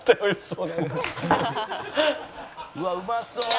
「うわっうまそう」